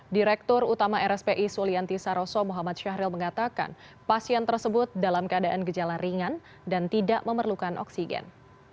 direktur utama rspi sulianti saroso muhammad syahril mengatakan pasien tersebut dalam keadaan gejala ringan dan tidak memerlukan oksigen